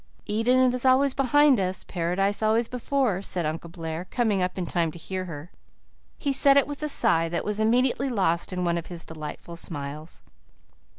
"Eden is always behind us Paradise always before," said Uncle Blair, coming up in time to hear her. He said it with a sigh that was immediately lost in one of his delightful smiles.